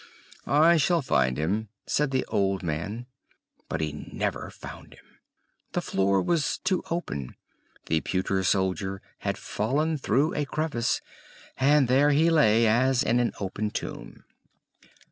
"I shall find him!" said the old man; but he never found him. The floor was too open the pewter soldier had fallen through a crevice, and there he lay as in an open tomb.